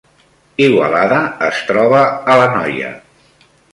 Igualada es troba a l’Anoia